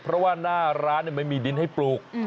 เพราะว่าหน้าร้านไม่มีดินให้ปลูก